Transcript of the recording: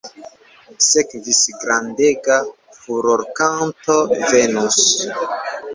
Sekvis grandega furorkanto "Venus".